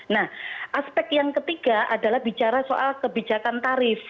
nah aspek yang ketiga adalah bicara soal kebijakan tarif